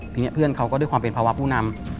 ทีนี้เพื่อนเขาก็ด้วยความเป็นภาวะผู้นำ